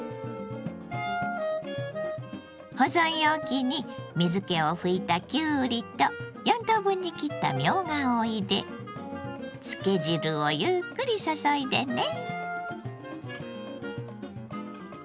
保存容器に水けを拭いたきゅうりと４等分に切ったみょうがを入れ漬け汁をゆっくり注いでね。